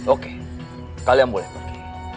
oke kalian boleh pergi